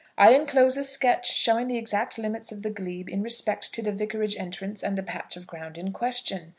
I enclose a sketch showing the exact limits of the glebe in respect to the vicarage entrance and the patch of ground in question.